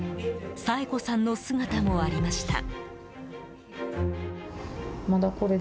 佐永子さんの姿もありました。